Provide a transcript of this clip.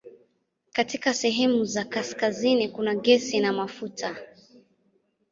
Katika sehemu za kaskazini kuna gesi na mafuta.